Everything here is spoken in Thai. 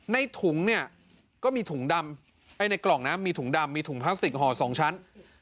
ในถุงเนี่ยก็มีถุงดำไอ้ในกล่องนะมีถุงดำมีถุงพลาสติกห่อสองชั้น